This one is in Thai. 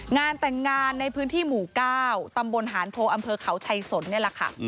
งานแต่งงานในพื้นที่หมู่๙ตำบลหานโพอำเภอเขาชัยสนนี่แหละค่ะ